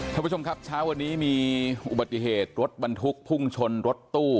ท่านผู้ชมครับเช้าวันนี้มีอุบัติเหตุรถบรรทุกพุ่งชนรถตู้